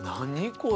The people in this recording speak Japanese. これ。